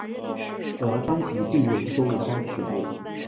而专辑并未收录该曲目。